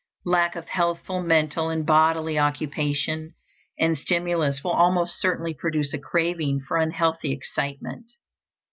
Lack of healthful mental and bodily occupation and stimulus will almost certainly produce a craving for unhealthy excitement.